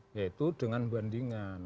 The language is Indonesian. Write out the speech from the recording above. yaitu dengan bandingan